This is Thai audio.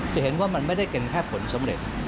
จะเห็นว่ามันไม่ได้เป็นแค่ผลสำเร็จ